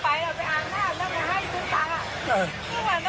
ดังนั้นคุณพ่อได้รับทั้ง๑๓ชีวิตกลับสู่อ้อมอก